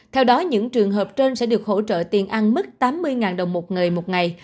theo đó những trường hợp trên sẽ được hỗ trợ tiền ăn mức tám mươi đồng một người một ngày